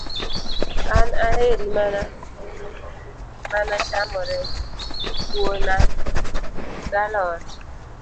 An aheri mana chamo rech, kuona ga alot